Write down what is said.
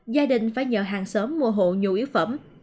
gia đình phải nhờ hàng xóm mua hộ nhu yếu phẩm